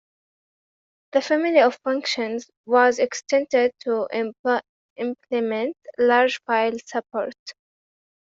The family of functions was extended to implement large file support.